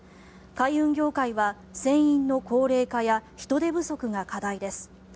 海運業界は船員の高齢化や人手不足が課題です。